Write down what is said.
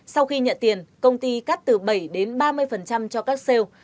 sau khi nhận tiền công ty cắt từ bảy đến ba mươi cho các sale